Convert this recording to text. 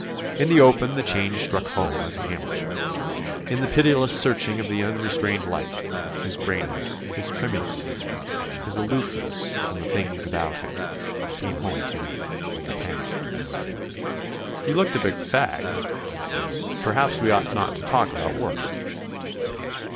In the open the change struck home as a hammer strikes; in the pitiless searching of the unrestrained light, his grayness, his tremulousness, his aloofness from the things about him, came home to me like a pang. "You look a bit fagged," I said, "perhaps we ought not to talk about work."